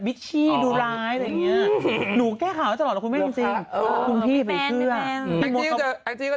ประโยคคลาสิก